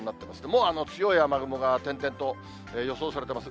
もう強い雨雲が点々と予想されてます。